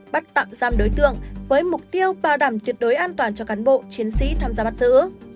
bắt tạm giam đối tượng với mục tiêu bảo đảm tuyệt đối an toàn cho cán bộ chiến sĩ tham gia bắt giữ